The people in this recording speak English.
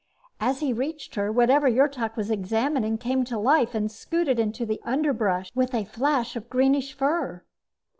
As he reached her, whatever Yrtok was examining came to life and scooted into the underbrush with a flash of greenish fur.